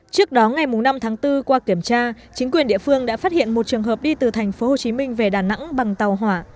trước đó ngày năm tháng bốn qua kiểm tra chính quyền địa phương đã phát hiện một trường hợp đi từ tp hcm về đà nẵng bằng tàu hỏa